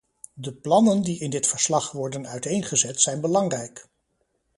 De plannen die in dit verslag worden uiteengezet zijn belangrijk.